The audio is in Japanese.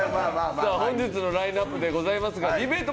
さあ本日のラインアップでございますがディベート